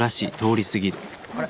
あれ？